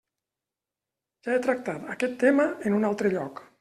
Ja he tractat aquest tema en un altre lloc.